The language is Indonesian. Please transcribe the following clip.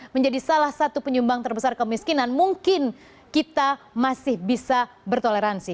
menjadi salah satu penyumbang terbesar kemiskinan mungkin kita masih bisa bertoleransi